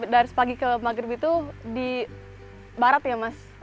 dari sepagi ke maghrib itu di barat ya mas